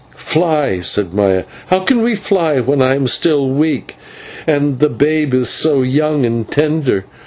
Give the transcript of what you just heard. "Fly!" said Maya, "how can we fly when I am still weak and the babe is so young and tender?